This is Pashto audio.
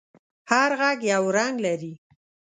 هر غږ یو رنگ لري.